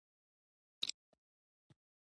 بله ورځ دوی پریکړه وکړه چې په انګړ کې کباب پخ کړي